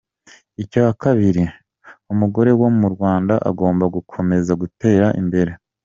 Icya kabiri, umugore wo mu Rwanda agomba gukomeza gutera imbere.